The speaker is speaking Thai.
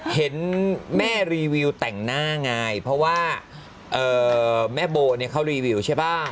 เห็นแม่รีวิวแต่งหน้าไงเพราะว่าแม่โบเนี่ยเขารีวิวใช่ป่ะ